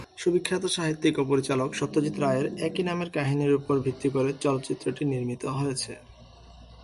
সুবিখ্যাত সাহিত্যিক ও পরিচালক সত্যজিৎ রায়ের একই নামের কাহিনীর উপর ভিত্তি করে চলচ্চিত্রটি নির্মিত হয়েছে।